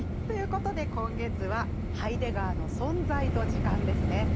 ということで今月はハイデガーの「存在と時間」ですね。